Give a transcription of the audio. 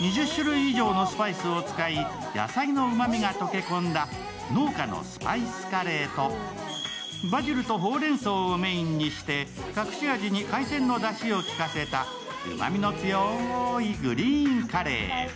２０種類以上のスパイスを使い、野菜のうまみが溶け込んだ農家のスパイスカレーと、バジルとほうれんそうちをメインにして隠し味に海鮮のだしを効かせたうまみの強いグリーンカレー。